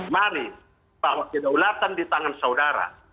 mari bahwa kedaulatan di tangan saudara